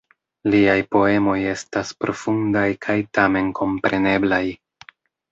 Liaj poemoj estas profundaj kaj tamen kompreneblaj.